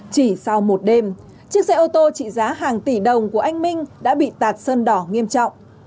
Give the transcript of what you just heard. chỉ sau một đêm chiếc xe ô tô trị giá hàng tỷ đồng của anh minh đã bị tạt sơn đỏ nghiêm trọng